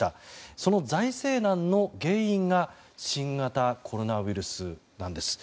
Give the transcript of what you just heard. その財政難の原因が新型コロナウイルスなんです。